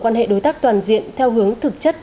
quan hệ đối tác toàn diện theo hướng thực chất